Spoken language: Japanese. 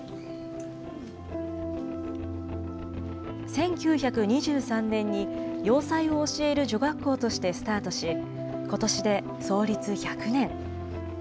１９２３年に洋裁を教える女学校としてスタートし、ことしで創立１００年。